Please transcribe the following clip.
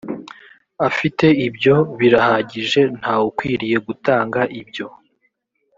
afite ibyo birahagije nta wukwiriye gutanga ibyo